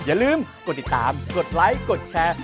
อย่าลืมกดติดตามกดไลค์กดแชร์